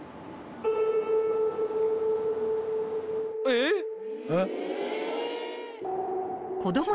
えっ？えっ？